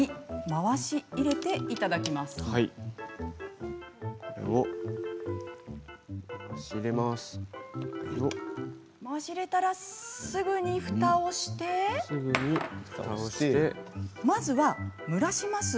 回し入れたらすぐにふたをしてまずは蒸らします。